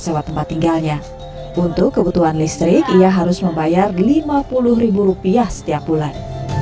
sewa tempat tinggalnya untuk kebutuhan listrik ia harus membayar lima puluh rupiah setiap bulan